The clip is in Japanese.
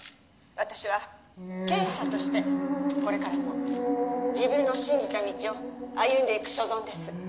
私は経営者としてこれからも自分の信じた道を歩んでいく所存です